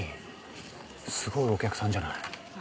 すごいお客さんじゃない？